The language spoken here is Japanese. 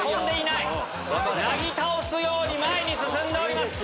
なぎ倒すように前に進んでおります。